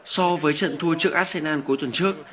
so với trận thua trước arsenal cuối tuần trước